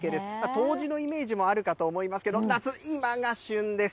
冬至のイメージもあるかと思いますけれども、夏、今が旬です。